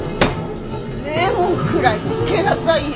レモンくらいつけなさいよ。